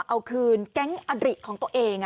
เอาคืนแก๊งอริของตัวเอง